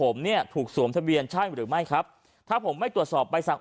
ผมเนี่ยถูกสวมทะเบียนใช่หรือไม่ครับถ้าผมไม่ตรวจสอบใบสั่ง